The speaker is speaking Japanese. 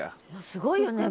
すごいよね。